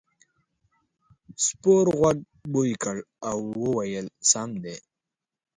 سپور غوږ بوی کړ او وویل سم دی.